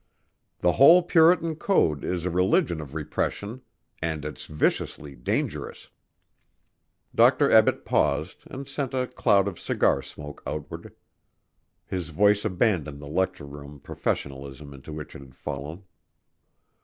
The whole Puritan code is a religion of repression and it's viciously dangerous." Dr. Ebbett paused and sent a cloud of cigar smoke outward. His voice abandoned the lecture room professionalism into which it had fallen.